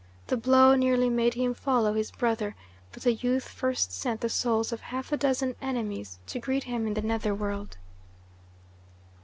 The blow nearly made him follow his brother, but the youth first sent the souls of half a dozen enemies to greet him in the nether world."